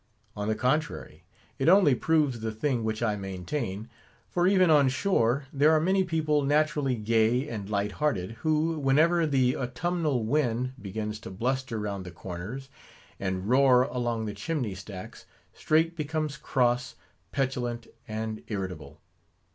On the contrary, it only proves the thing which I maintain. For even on shore, there are many people naturally gay and light hearted, who, whenever the autumnal wind begins to bluster round the corners, and roar along the chimney stacks, straight becomes cross, petulant, and irritable.